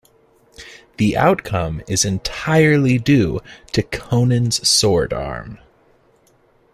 The outcome is entirely due to Conan's sword-arm.